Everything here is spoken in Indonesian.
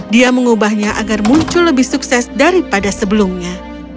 dia mengubahnya agar muncul lebih sukses daripada sebelumnya